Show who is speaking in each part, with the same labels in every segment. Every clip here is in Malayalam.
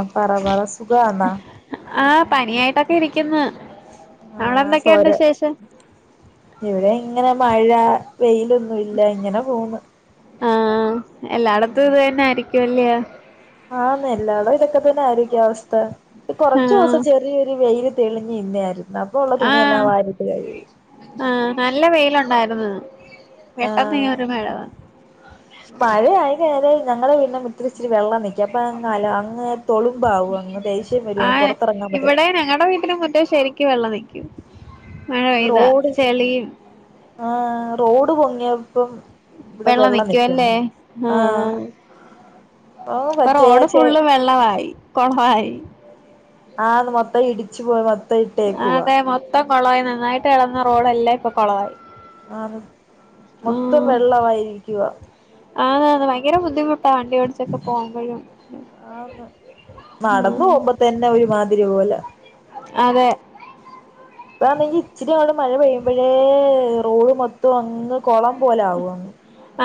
Speaker 1: ആ പറ പറ സുഖാണോ
Speaker 2: ആഹ് പനിയായിട്ടൊക്കെ ഇരിക്കുന്നു
Speaker 1: ആ
Speaker 2: അവടെന്തൊക്കെയുണ്ട്
Speaker 1: സോര
Speaker 2: വിശേഷം
Speaker 1: ഇവിടെ ഇങ്ങനെ മഴ വെയിലൊന്നും ഇല്ല, ഇങ്ങനെ പോന്ന്
Speaker 2: ആഹ എല്ലാടത്തും ഇത് തന്നെ ആയിരിക്കുവല്ലോ
Speaker 1: ആന്ന് എല്ലാടം ഇതൊക്കെ തന്നായിരിക്കും അവസ്ഥ, കൊറച്ചു
Speaker 2: ആഹ്
Speaker 1: ദിവസം ചെറിയൊരു വെയില് തെളിഞ്ഞു നിന്നെ ആയിരുന്നു
Speaker 2: ആഹ ആഹ നല്ല വെയിലൊണ്ടായ്ര്ന്ന്
Speaker 1: ആഹ മഴ [unintelligible] ആയി ഞങ്ങളെ വീട്ന്റെ മുറ്റത്ത് ഇച്ചിരിവെള്ളം നിക്ക്- എപ്പങ്ങാല അങ്ങ് തൊളുമ്പാവും അങ്ങ് ദേഷ്യം വരുംങ് പൊറത്തിറങ്ങാൻ പറ്റെ
Speaker 2: റ്റ ശരിക്കും വെള്ളം നിക്കും, മഴ പെയ്താ
Speaker 1: റോഡ്
Speaker 2: ചെളിയും
Speaker 1: ആ റോഡ് പൊങ്ങിയപ്പം [inaudible] ഇവിടെ
Speaker 2: വെള്ളം നിക്കുവല്ലേ
Speaker 1: നിക്കുന്ന്
Speaker 2: ആ
Speaker 1: ഓ
Speaker 2: ഇപ്പൊ
Speaker 1: പച്ചേ
Speaker 2: റോഡ്
Speaker 1: ചെ
Speaker 2: ഫുള്ള് വെള്ളവായി, കൊളവായി
Speaker 1: ആന്ന്, മൊത്തം ഇടിച്ചു പൊയ് മൊത്തം ഇട്ടേക്കുവാ
Speaker 2: അതെ മൊത്തം കൊളവായി നന്നായിട്ട് കെടന്ന റോഡല്ലാം ഇപ്പൊ കൊളവായി
Speaker 1: ആ മൊ മൊത്തം വെള്ളവായിരിക്കുവ
Speaker 2: ആ ഭയങ്കര ബുദ്ധിമുട്ടാ വണ്ടി ഓടിച്ചൊക്കെ പോവുമ്പോഴും
Speaker 1: ആന്ന് നടന്നു പോവുമ്പോ തന്നെ ഒരുമാതിരി പോല
Speaker 2: അതെ
Speaker 1: താന്നെങ്കിൽ ഇച്ചിരി അങ് മഴ പെയ്യുമ്പോഴേ റോഡ് മൊത്തവും അങ്ങ് കൊളം പോലെ ആവ്വാന്ന്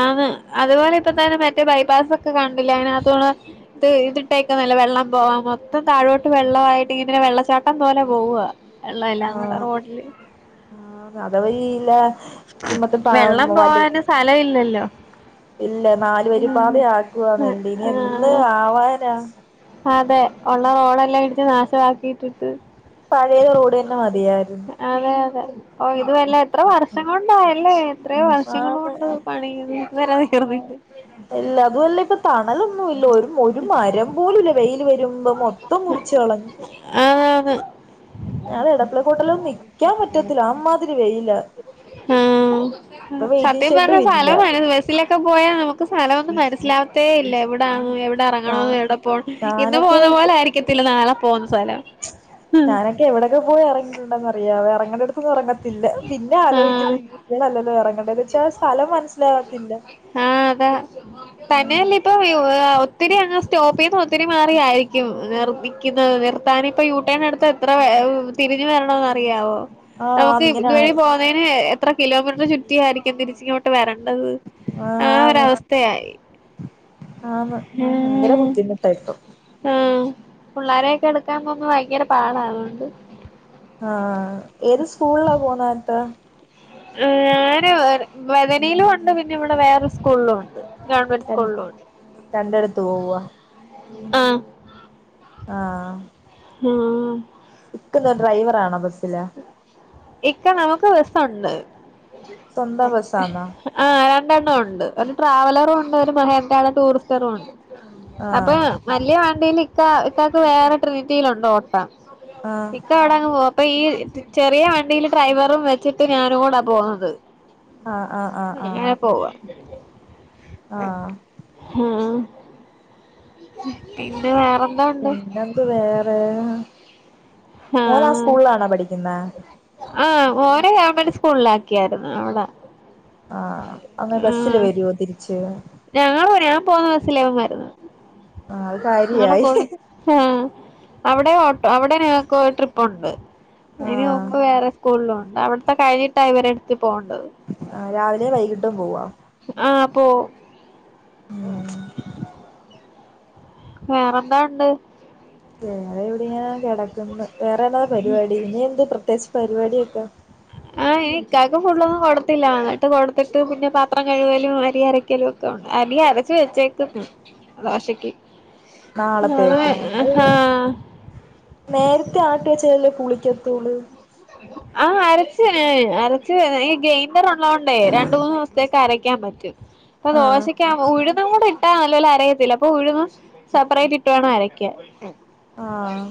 Speaker 2: ആന്ന് അതുപോലെ ഇപ്പ തന്നെ മറ്റേ ബൈപ്പാസ്സൊക്കെ കണ്ടില്ലേ അയ്നകത്തോടെ ഇത് ഇതിട്ടേക്കന്നല്ല വെള്ളം പോവാൻ മൊത്തം താഴോട്ട് വെള്ളവായിട്ട് ഇങ്ങനെ വെള്ളച്ചാട്ടം പോലെ പോവുവ, വെള്ളവെല്ലാംകൂടെ
Speaker 1: ആഹ്
Speaker 2: റോഡില്
Speaker 1: ആഹ് അതവരില്ല ഇത് മൊത്തം പാ
Speaker 2: വെള്ളം
Speaker 1: വല്
Speaker 2: പോവാന്, സ്ഥലം ഇല്ലല്ലോ, [inaudible]
Speaker 1: ഇല്ല നാലുവരി പാത
Speaker 2: ഉം
Speaker 1: ആക്കുവാന്നല്ലെ, ഇനി എന്ന്
Speaker 2: ആഹ്
Speaker 1: ആവാനാ?
Speaker 2: അതെ, ഒള്ള റോഡല്ലാം ഇടിച്ച് നാശവാക്കിയിട്ടിട്ട്,
Speaker 1: പഴയ റോഡ് തന്നെ മതിയായിരുന്നു
Speaker 2: അതെ അതെ, ഓ ഇത് വല്ല എത്ര വർഷം കൊണ്ടായല്ലേ?
Speaker 1: ആന്ന്
Speaker 2: വർഷങ്ങളോണ്ട് പണിയ്യുന്നു ഇത്വരേ തീർന്നില്ല,
Speaker 1: അല്ല അതുവല്ല ഇപ്പൊ തണലൊന്നു വില്ല, ഒരു ഒരു മരം പോലുംല്ല വെയില് വരുമ്പം മൊത്തം മുറിച് ച്ചളഞ്ഞ്..
Speaker 2: അ്...
Speaker 1: എടപ്പളക്കോട്ടലൊന്നും നിക്കാൻ പറ്റത്തില്ല അമ്മാതിരി വെയില
Speaker 2: ആഹ്
Speaker 1: ഇപ്പൊ വെയിറ്റിംഗ്
Speaker 2: സത്യം പറഞ്ഞ
Speaker 1: ഷെഡും ഇല്ല
Speaker 2: സ്ഥലമായിരുന്നു ബസ്സിലൊക്കെ പോയാൽ നമുക്ക് സ്ഥലം ഒന്നും പ മനസ്സിലാവത്തേ ഇല്ല എവിടാണെന്നും
Speaker 1: ഞാ
Speaker 2: എവിടെറങ്ങണന്ന് എവിടെ പോണംന്ന് ഇന്ന്
Speaker 1: ഞാനൊക്കെ
Speaker 2: പോന്ന പോലായിരിക്കത്തില്ല നാളെ പോവുന്ന. സലം, ഹ്ഹ്...
Speaker 1: ത് എവിടൊക്കെ പോയി ഇറങ്ങിട്ടുണ്ടെന്നഅറിയാവെ, ഇറങ്ങി.... അങ്ങട്തോന്നും ഉറങ്ങത്തില്ല. പിന്നെ ആലോചിക്കുന്ന് ഇങ്ങനെയല്ലല്ലോഉറങ്ങണ്ട്ന്ന്.
Speaker 2: [unintelligible] ആ... അതാ.
Speaker 1: ഉം
Speaker 2: തന്നെയല്ലേ ഇപ്പൊ [unintelligible] ഒത്തിരി അങ് സ്റ്റോപ്പ് ചെയ്ത് ഒത്തിരിമാറി റിയായിരിക്കും നിർമ്മിക്കുന്നത്. നിർത്താന് ഇപ്പ യുടേൺഎടുത്ത് എത്ര തിരിഞ്ഞ് വരണോന്ന് അറിയാവോ,
Speaker 1: ആഹ്
Speaker 2: നമുക്ക്
Speaker 1: ആന്ന് ഇങ്ങനെ
Speaker 2: ഇതുവഴി
Speaker 1: ആയി
Speaker 2: പോകുന്നതിന് എത്ര കിലോമീറ്റർ ചുറ്റിയ ആയിരിക്കും തിരിച്ച് ഇങ്ങോട്ട് വരണ ആഹ്... ആ ഒരഅവസ്ഥയായി.
Speaker 1: ആ... ഭയങ്കര ബുദ്ധിമുട്ടായിപ്പൊ.
Speaker 2: പുള്ളേരെയൊക്കെ എടുക്കാൻ പോകുമ്പോൾ ഭയങ്കര പാടാ അതുകൊണ്ട്
Speaker 1: ആ... ഏത് സ്കൂളിലാ പോണ് ന്ന്ട്ട്
Speaker 2: [unintelligible] ഞാന് വേദനയിലും ഉണ്ട്. പിന്നെ ഇവിടെ വേറെ സ്കൂളിലും ഉണ്ട് ഗവൺമെന്റ് സ്കൂളിലുണ്ട്.
Speaker 1: രണ്ടിടത്ത് പോവാ
Speaker 2: ആ...
Speaker 1: ആഹ....
Speaker 2: ആ...
Speaker 1: ഇക്കന്താ ഡ്രൈവറാണോ ബസ്സിലെ?
Speaker 2: ഇക്ക നമുക്ക് ബസ്സുണ്ട്.
Speaker 1: സ്വന്തം ബസ്സാന്നോ
Speaker 2: [unintelligible] ആ... രണ്ടെണ്ണം ഉണ്ട് [inaudible] ട്രാവലറും ഉണ്ട് ഒരു മഹേദ്രടെ ടൂറിസ്റ്ററും ഉണ്ട്. അപ്പൊ
Speaker 1: ആഹ്
Speaker 2: വല്ല്യ വണ്ടിയില് ഇക്ക ഇക്കക്ക് വേറൊരു രീതിൽണ്ടോ ഓട്ട.
Speaker 1: ആഹ്
Speaker 2: ഇക്ക അവിടെ അങ്ങ് പോ. അപ്പൊ ഈ... ചെറിയ വണ്ടിൽ ഡ്രൈവറും വെച്ചിട്ട് ഞാനും കൂടാ പോന്നുന്നത്.
Speaker 1: ആഹ് ആഹ് ആഹ് ആഹ്
Speaker 2: എങ്ങനെ പോവാ
Speaker 1: ആഹ്
Speaker 2: [unintelligible] ആഹാ... പിന്ന വേറെ
Speaker 1: പിന്നെന്ത് വേറെയാ... ഓന് ആ സ്കൂളിലാണോ പഠിക്കുന്നേ?
Speaker 2: ആ് ഓരെ ഗവൺമെന്റ് സ്കൂളിലാക്കിയായിരുന്നു അവിടെ,
Speaker 1: ആ... അങ്ങനെ ബസ്സില്
Speaker 2: ആഹ്
Speaker 1: വരുവോ തിരിച്ച്?
Speaker 2: ബസ്സിലാവരുന്നത്.
Speaker 1: ആഹ് അത്
Speaker 2: നളെ
Speaker 1: കാര്യായി
Speaker 2: കൊട്. ആ... അവിടെ ഓട്ടോ അവിടെ ഞങ്ങൾക്ക്ഒരു ട്രിപ്പുണ്ട്.
Speaker 1: ആഹ്
Speaker 2: അയിന്മുമ്പ് വേറെ സ്കൂളിലുണ്ട് അവിടുത്തെ കഴിഞ്ഞിട്ടാ ഇവരെടുത്ത്. പോണ്ടത്
Speaker 1: ആ... രാവിലെ വൈകിട്ടും പോവാ?
Speaker 2: ആഹ..,. പോവും
Speaker 1: ഉം
Speaker 2: വേറെന്താ ഉണ്ട്.
Speaker 1: വറെ എവിടെയാ... കിടക്കന്ന്, വേറെന്താപരിപാടി, ഇനി എന്ത്പ്രത്യേകിച്ച്പരിപാടിയൊക്കെ
Speaker 2: ക്കാക്ക്, ഫുള്ളൊന്നും, കൊടുത്തില്ല, [unintelligible] പുള്ളോന്നും കൊടുത്തില്ല. എന്നിട്ട് കൊടുത്തിട്ട്, പിന്നെപാത്രംകഴുകലും, അരിഅരക്കലോ, അരി അര [unintelligible] ദോഷക്ക് ങ്ങൾ,
Speaker 1: നാളത്തേക്ക്
Speaker 2: ആഹാ...
Speaker 1: നേരത്തെആട്ടിവെച്ചതല്ലേപുളിക്കത്തൂ ള്.
Speaker 2: ആ... അരച്ഇ, ഈ ഗെയിൻഡർ ഉള്ളതോണ്ടേരണ്ട്, മൂന്ന് ദിവസത്തേക്ക്അരക്കാൻപറ്റും.
Speaker 1: ആഹ്
Speaker 2: അപ്പൊദോശക്കാ ഉഴുന്നുംകൂടെ ട്ടാഅല്ലേലും അരയത്തില്ല, അപ്പൊ ഉഴുന്നുംസെപ്പറേറ്റ്ഇട്ട് വേണം അരക്കാൻ
Speaker 1: ആഹ്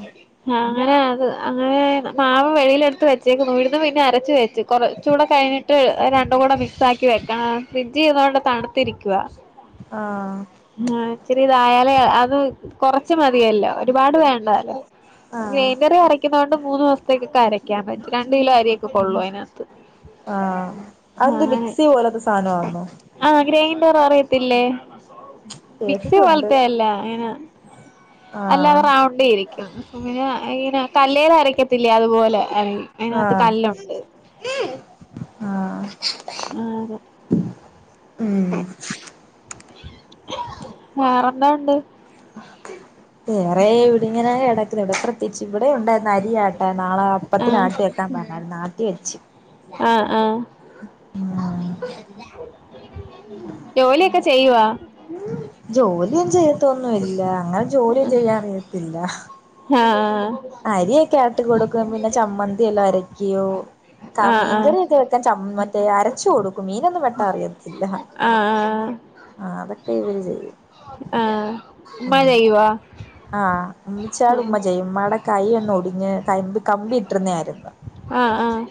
Speaker 2: അങ്ങനഅത് അങ്ങനെമാവ് വെളിൽ എടുത്തു..... ഇതിക്ക് ഉഴുന്ന് പിന്നെ അരച്ച് വെച്ച് കൊറച്ചൂടെകഴിഞ്ഞിട്ട് അത് രണ്ട്...... ണ്ടുംകൂടെമിക്സ്ആക്കിവെക്കണം. ഫ്രിഡ്ജിഇരുന്നോണ്ട് തണുത്തിരിക്കുവ.
Speaker 1: ആഹ്
Speaker 2: ഇച്ചിരിതായാല്അതും കൊറച്ച് മതിയെല്ലോ.
Speaker 1: ആഹ്
Speaker 2: ഗ്രെയ്ണ്ടെറിഅരക്ക്ണോണ്ട്മൂന്ന് ദിവസെത്തെകൊക്കെഅരക്കാൻ പറ്റും. രണ്ട് കിലോ അരിയൊക്കെ കൊള്ളേയ്.
Speaker 1: ആഹ് അതെന്ത്
Speaker 2: അങ്ങനെ,
Speaker 1: മിക്സി പോലത്തെ സാധനമാന്നോ
Speaker 2: ആ ഇണ്ട് എന്നറിയതില്ലേ മിക്സി,
Speaker 1: കേട്ടിട്ടുണ്ട്
Speaker 2: പോലത്ത, അല്ല, അങ്ങനെ, അല്ലാതെ,
Speaker 1: ആഹ്
Speaker 2: റൗണ്ട്രിക്കും പിന്നെ, ഇങ്ങനെ, കല്ലേലരക്കത്തില്ലേ, അതുപോലെ, അതുപോലെ അതിനകത്ത്, കല്ലുണ്ട്. ആഹ്
Speaker 1: ആഹ.
Speaker 2: [inaudible] വേറെറെന്താ, ഉണ്ട്
Speaker 1: ഇടി ഇങ്ങനെെ കിടക്കുന്നു ഇവിടെ പ്രത്യേിച്ച് ഇവിടെ ഉണ്ടായി അരിയാട്ട നാളെ അപ്പത്തിനാട്ട കേക്കാൻ പറ അ, നാട്ടി, വെച്ചു
Speaker 2: ആഹ, ആഹ. ജോലിയൊക്കെ, ചെയ്യുവോ
Speaker 1: ജോലിയും, ചെയ്യത്തൊന്നുംല്ല, അങ്ങനെ, ജോലിയും, ചെയ്യാറിയത്തില്ല
Speaker 2: ആഹ്
Speaker 1: അരിയൊക്കെ, ആട്ട കൊടുക്കും, പിന്നെ ചമ്മന്തിെല്ലാം, അരക്കോ ക്കാ,
Speaker 2: ആഹ് ആഹ്
Speaker 1: മീൻകറിയൊക്ക [unintelligible]
Speaker 2: ആഹ്
Speaker 1: ആ, അതൊക്കെ, ഇവര്, ചെയ്യും
Speaker 2: ആഹ് ഉമ്മ
Speaker 1: ഉം,
Speaker 2: ചെയ്യുവാ
Speaker 1: ആഹ, ഉമ്മട്, ഉമ്മ,
Speaker 2: ആഹ്
Speaker 1: ജായമ്മട [unintelligible] തമ്പി, കമ്പിട്ട്
Speaker 2: ആഹ്, ആഹ്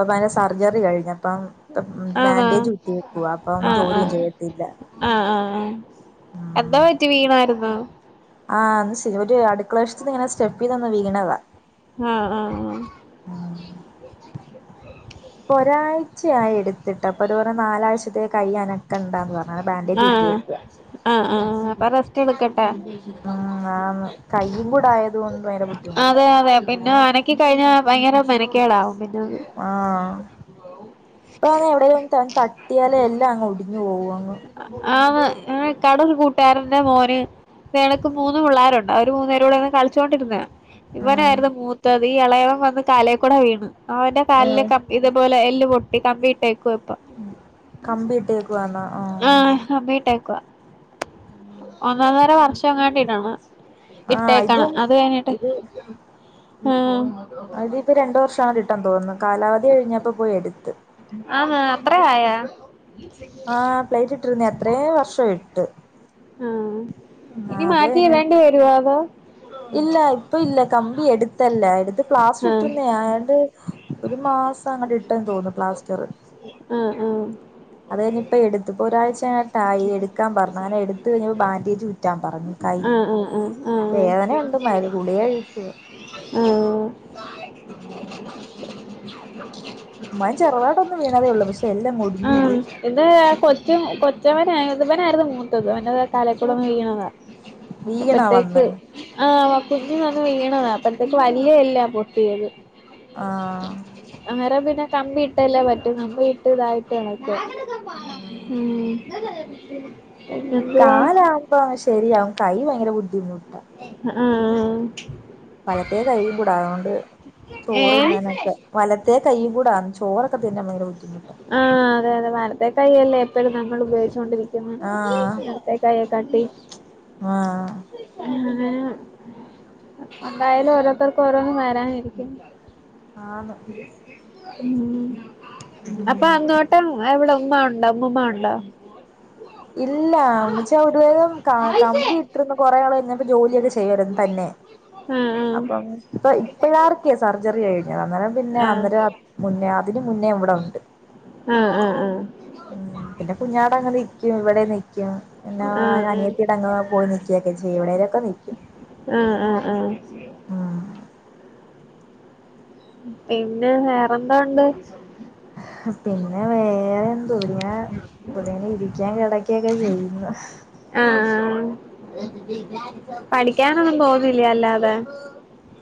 Speaker 1: അപ്പ, അെ, സർജറി, കഴിഞ്, അപ്പം,
Speaker 2: ആഹ് ആഹ്
Speaker 1: ബാൻഡേജ്, കിട്ടിയേക്കുവ, അപ്പം, ജോലിയൊന്നും, ചെയ്യത്തില്ല
Speaker 2: ആഹ, ആഹ്,
Speaker 1: ഉം
Speaker 2: എന്താ, പറ്റി, വീണായിരുന്നു
Speaker 1: ആഹ് അത്, ശരി, ഒരു, അടുക്കള, വശത്ത്ന്ന്, ഇങ്ങനെ, സ്റ്റെപ്പ്നൊന്ന്, വീണതാ
Speaker 2: ആഹ, ആഹ
Speaker 1: പ്പൊരാഴ്ചയായി, എടുത്തിട്ട്, ആപ്പോ ഓൽ പറഞ്ഞു നാലാഴ്ചത്തേകയ്യ
Speaker 2: ആഹ, ആഹ്, ആഹ്, പര
Speaker 1: ഉം ആന്ന് കയ്യും കൂടെ ആയത് കൊണ്ട് ഭയങ്കര ബുദ്ധിമുട്ടാ
Speaker 2: അതെതെ, പിന്നെന ക്ക, കഴിഞ്ഞാ, ഭയങ്കര മെനക്കേടാ, വു
Speaker 1: ആഹ, ഇപ്പ, എവിടെന്ന്, ത, തട്ടിയാല, എല്ലാം, അങ്ങ് ഒടിഞ്ഞു പോവും അങ്ങ്
Speaker 2: ആ, എ, ക്കാടെ കൂട്ട സേറിന്റെ, മോന് നിനക്ക് മൂന്നും, പിള്ളേരുണ്ട്, അവര് മൂന്നേരോടെ, ഒന്ന്, കളിച്ചുകോണ്ടിരുന്ന
Speaker 1: ഉം
Speaker 2: ഇവനായിരുന്നു, മൂത്തത്, ഈ ഇളയവം വന്ന് കാലേക്കൂടെ, വീണ്, അവന്റെ
Speaker 1: ഉം
Speaker 2: കാലിലക്കെ, ഇതുപോലെ ല്, പൊട്ടി, കമ്പീട്ടേക്കയപ്പം
Speaker 1: കമ്പിട്ടേക്കവാന്നാ, ആഹ
Speaker 2: ആഹ്, കമ്പിട്ടേക്കുവ, ഒന്നന്നര, വർഷം, ങ്ങാട്ടീടണം
Speaker 1: ആഹ്
Speaker 2: ഇട്ടേക്കണം,
Speaker 1: ഇതും
Speaker 2: അത്, കഞ്ഞിട്ട്, ആഹ്
Speaker 1: അതി, ഇപ്പോ, രണ്ടു വർഷ, കിട്ടൻ, തോന്നുന്നത്, കാലാവധി, കഴിഞ്ഞപ്പോ, പോയി എടുത്ത്
Speaker 2: ആഹ, അത്രെആയ
Speaker 1: ആഹ് പ്ലേറ്റ് ഇട്ടിരുന്നേ അത്രയും വർഷം ഇട്ട്
Speaker 2: ആഹ ഇനി
Speaker 1: ആഹ് അത് കഴിഞ്ഞ്
Speaker 2: മാറ്റിയിതേണ്ടി വരുവാ അതോ?
Speaker 1: ഇല്ല ഇപ്പ ഇല്ല കമ്പി എടുത്തല്ല എടുത്ത് ക്ലാസ്
Speaker 2: ആഹ്
Speaker 1: പ്ലാസ്റ്റർട്ടുന്നെഅതേണ്ട് ഒരു മാസം അങ്ങോട്ട ഇട്ടെന്ന് തോന്നുന്നു പ്ലാസ്റ്റർ.
Speaker 2: ആഹ്
Speaker 1: അത് കഴിഞ്ഞപ്പോ എടുത്തപ്പപ്പോ ഒരാഴ്ചട്ടായി എടുക്കാൻ പറഞ്ഞു അനെ എടുത്തത്ത് കിഞ്ഞപ്പോ ബൻഡേജ് ചിറ്റാൻ പറഞ്ഞു കൈ
Speaker 2: ആ ആ [inaudible]
Speaker 1: വേദനയുണ്ട് മരു ഗുളിക കഴിക്കുവാ മഴ ചെറുതായിട്ടൊന്ന് വീണതേ ഉള്ളൂ പക്ഷെ എല്ലാം
Speaker 2: ആ
Speaker 1: ഒടിഞ്ഞു പോയി
Speaker 2: ഇത് കൊച്ച കൊ [inaudible] വ ഇവനായിരുന്നു മൂത്തത് അവന്റെ തലികുടെന്ന് വീ്ണതാ
Speaker 1: വീണാ
Speaker 2: അപ്പഴത്തേക്ക്
Speaker 1: വന്ന്
Speaker 2: ആ വ കുഞ്ഞി നന്ന് വീണ അപ്പ അതൊക്കെ വലിയല്ലാ പൊട്ടിയത്.
Speaker 1: ആഹ
Speaker 2: അന്നേരം പിന്നെ കമ്പി ഇട്ടല്ലേ പറ്റും കമ്പി ഇട്ട് ഇതായിട്ട് ഇണക്ക്. ഉം [inaudible]
Speaker 1: കാലാവുമ്പോ ശെരിയാകും കൈ ഭയങ്കര ബുദ്ധിമുട്ടാ
Speaker 2: ഉം
Speaker 1: വലത്തെ കൈ കൂടാ അതുകൊണ്ട് ചോറ്
Speaker 2: ഏഹ്
Speaker 1: ഇന്നാനൊക്കെ വലത്തെ കൈ കൂടാ ചോറ് ഇപ്പൊ തിന്നാൻ പയങ്കര
Speaker 2: ആഹ് അതെ അതെ വലത്തെ കൈയ അല്ലേ എപ്പോഴും ഞമ്മൾ ഉപയോഗിച്ചോണ്ടിരിക്ക ഇടത്തേക്കയെ കാട്ടി
Speaker 1: ആ
Speaker 2: അങ്ങനെ എന്തായാലും ഓരോരുത്തർക്കും ഓരോന്നും വരാനായിരിക്കന്ന
Speaker 1: ആന്ന്
Speaker 2: ഉ അപ്പൊ
Speaker 1: ഉം
Speaker 2: അങ്ങോട്ടും എടെ ഉ്മ്മ ഉണ്ട അമ്മൂമ്മ ഉണ്ടോ?
Speaker 1: ഇല്ല ഇമ്മച്ചി അങ്ങോട് പോയ്‌ കമ്പി ഇട്ടന്ന് കൊറേ നാള്കൈഞ്ഞ ജോലിയൊക്കെ ചെയ്യര തന്നെ
Speaker 2: ആഹ്
Speaker 1: അപ്പം ഇപ്പ ഇപ്പഴാർക്കേ സർജറി കഴിഞ്ഞത് അന്നേരം പിന്നെ
Speaker 2: ആഹ്
Speaker 1: അന്നേരം മുന്നേ അതിന് മുന്നേ ഇവിടെ ഉണ്ട്.
Speaker 2: ആ
Speaker 1: ഉ പിന്നെ കുഞ്ഞാട അങ്ങനെ ഇവിടെ നിക്കും എന്ന
Speaker 2: ആഹ് ആഹ്
Speaker 1: അനിയത്തിട അങ് പോയി നക്കൊക്കെ ചെയ ഇവിടെ
Speaker 2: ആ ആ ആ
Speaker 1: ഉം
Speaker 2: പിന്നെ വേറെന്താ ഉണ്ട്.
Speaker 1: പിന്നെ വേറെ എന്തോ ഇവിടെങ്ങനെ ഇടേനെ ഇരിക്കാൻ കിടക്കൊക്കെ ചെയ്യുന്നു
Speaker 2: ആ പഠിക്കാനൊന്നും പോവില്ലല്ലാ ലോ ലെ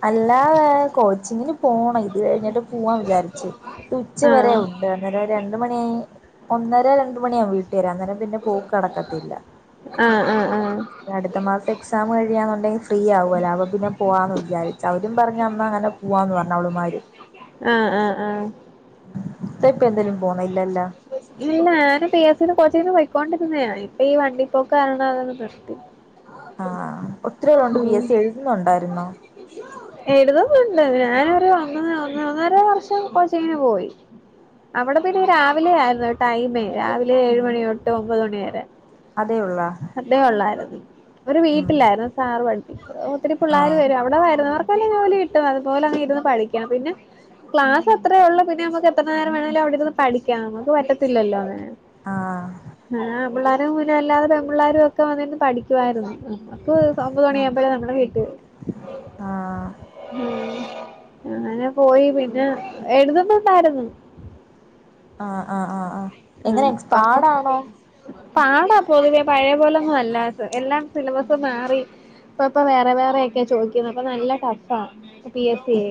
Speaker 1: അല്ലാ വേ കോച്ചിങ്ങിന് പോണം ഇ ഇത് കഴിഞ്ഞിട്ട് പോവാൻ വിചാരിച്ച് ഇത് ഉച്ച വരെ
Speaker 2: ആഹ്
Speaker 1: ഉണ്ട് അന്നേരം രണ്ട് മണിയായി ഒന്നര രണ്ട മണിയാവ വീട്ടു വരാം അന്നേരം പിന്നെ പോക്കടക്കത്തില്ല
Speaker 2: ആഹ് ആഹ് ആഹ്
Speaker 1: അടുത്ത മാസം എക്സാമ്കഴിയ അല്ലെ ഫ്രീ ആവല്ല അ അവൊ പിന്നെ പോവാന്ന് വിചാരിഅവരും പറഞ്ഞ അന്ന്അങ്ങനെ പോവാന്ന് പറഞ്ഞ അവള്മാര്
Speaker 2: ആ ആ ആ
Speaker 1: ഇ ഇപ്പ എന്തേലും പോണില്ലല്ലേ?
Speaker 2: ഇല്ല ഞാന് പി എസ് സി കോച്ചിന്ന് പോയ്ക്കൊണ്ടിരുന്ന ഇപ്പ ഈ വണ്ടി പോക്ക് ആയതു കൊണ്ട് നിർത്തി
Speaker 1: ആ
Speaker 2: ഉം എഴുതുന്നുണ്ട് ഇല്ല ഞാനൊരു ഒന്ന ഒ ഒന്നര വർഷം കൊച്ചേനന് പോയി അവിടെ പിന്നെ രാവിലെ ആയിരുന്നു ടൈമ രാവിലെ ഏഴ് മണി തൊട്ട് ഒമ്പത് മണിവരെ
Speaker 1: അതേ ഉള്ളാ
Speaker 2: അതേ ഉള്ളായിരുന്നു. ഒരു
Speaker 1: ഉം
Speaker 2: വീട്ടിലായിരുന്നു സാറ് പി ഒത്തിരി പിള്ളോര്
Speaker 1: ആഹ്
Speaker 2: വരും അവിടെരുന്നുന്ന അവർ പല ജോലി കിട്ടും അതുപോലെ അങ് ഇരുന്ന് പഠിക്കാം പിന്നെ ക്ലാസ് അത്രേ ഒള്ളൂ പിന്നെ നമ്മക്ക് എത്ര നേരം വേണങ്കിലും അവിടെ ഇരുന്ന് പഠിക്കാം നമ്മക്ക് പറ്റത്തില്ലല്ലോ അങ്ങ
Speaker 1: ആ
Speaker 2: പിള്ളാരും പിന്നെ എല്ലാതെ പെൺപിള്ളേരും ഒക്കെ വന്നിര്ന്ന് പഠിക്കുവായിരുന്നു ആ അപ്പ് ഒമ്പത്
Speaker 1: ആഹ്
Speaker 2: മണിയാകുമ്പേ ഞങ്ങള വീട്ടിൽ
Speaker 1: ആഹ്
Speaker 2: അങ്ങനെ പോയി പിന്നെ എഴുതുന്നുണ്ടായിരുന്നു
Speaker 1: ആ ആ ആ ആ എങ്ങനെ
Speaker 2: ആഹ് അപ്പം
Speaker 1: എക്സ്പാഡ് ആണോ
Speaker 2: പാടാ പൊതുവേ പഴയ പോലെന്നും അല്ലാസ് എല്ലാം സിലബസ് മാറി ഇപ്പ ഇപ്പം വേറെ വേറെയൊക്കെ ചോയ്ക്കിണ അപ്പം നല്ല ട്ടഫാ പി എസ് ‌ ഏ
Speaker 1: ഇപ്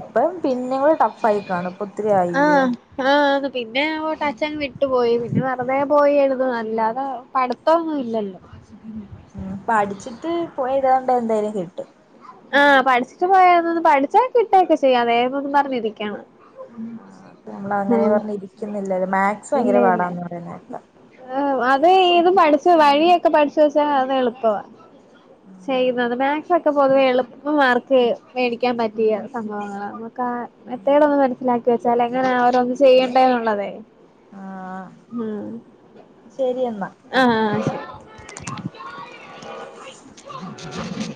Speaker 1: ഇപ്പം പിന്നേം കൂടെ ടഫ് ആയി കാണും ഇപ്പൊ ഒത്തിരി ആയില്ല്യോ
Speaker 2: ആആ പിന്നെ ഓട്ട ച്ഛൻ വിട്ടു പോയി പിന്നെ വെറുതെ പോയി എഴുതുന്ന അല്ലാതെ പഠിത്തം ഒന്നും ഇല്ലല്ലോ
Speaker 1: ഉം പഠിച്ചിട്ട് പോയിതേണ്ട എന്തേലും കിട്ടും
Speaker 2: ആ പഠിച്ചിട്ട് [unintelligible] പഠിച്ചാ കിട്ടോക്കെ ചെയ്യാം വേഗോന്നു പറഞ്ഞിരിക്ക
Speaker 1: ആ അപ്പ നമ്മൾ അങ്ങനെ പറഞ്ഞ് ഇരിക്കുന്നില്ലല്ലോ മാക്സ്
Speaker 2: ഇല്ല
Speaker 1: ഭയങ്കര
Speaker 2: ഇല്ല
Speaker 1: പാടാന്ന് പറയുന്നേക്ക
Speaker 2: അത് ഇത് പഠിച്ചു വഴിയൊക്കെ പഠിച്ച് വെച്ചാഅത് എളുപ്പവ ചെയ്യുന്നത് മാക്സൊക്കെ പൊതുവെ എളുപ്പംമാർക്ക് മേടിക്കാൻ പറ്റിയ സംഭവങ്ങളാ ആ മെത്തേഡ് ഒന്ന് മനസ്സിലാക്കി വെച്ചാൽ എങ്ങനാ ഓരോന്ന് ചെയ്യണ്ടേന്നുള്ളത്
Speaker 1: ആഹ്
Speaker 2: മേമ്
Speaker 1: ശരി എന്നാ
Speaker 2: അ ആ ശരി